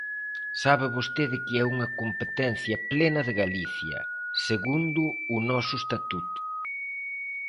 Sabe vostede que é unha competencia plena de Galicia, segundo o noso Estatuto.